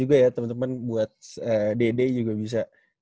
semoga ya temen temen buat dede juga bisa